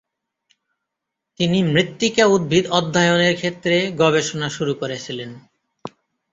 তিনি মৃত্তিকা-উদ্ভিদ অধ্যয়নের ক্ষেত্রে গবেষণা শুরু করেছিলেন।